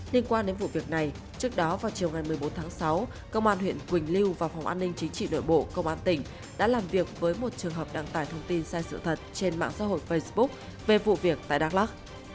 liên quan đến vụ việc này trước đó vào chiều ngày một mươi bốn tháng sáu công an huyện quỳnh lưu và phòng an ninh chính trị nội bộ công an tỉnh đã làm việc với một trường hợp đăng tải thông tin sai sự thật trên mạng xã hội facebook về vụ việc tại đắk lắc